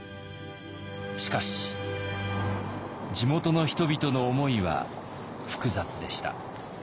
しかし地元の人々の思いは複雑でした。